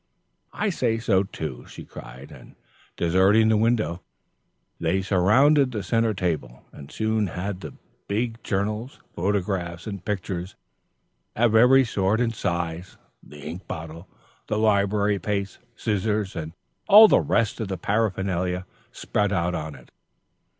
"I say so, too," she cried, and deserting the window, they surrounded the centre table, and soon had the big journals, photographs, and pictures, of every sort and size, the ink bottle, and library paste, scissors, and all the rest of the paraphernalia, spread out on it.